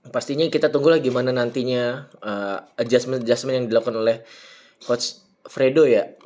pastinya kita tunggulah gimana nantinya adjustment adjustment yang dilakukan oleh coach fredo ya